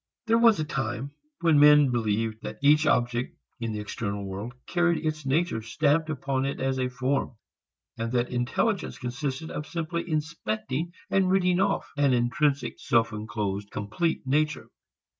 There was a time when men believed that each object in the external world carried its nature stamped upon it as a form, and that intelligence consisted in simply inspecting and reading off an intrinsic self enclosed complete nature.